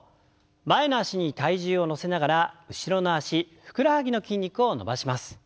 前の脚に体重を乗せながら後ろの脚ふくらはぎの筋肉を伸ばします。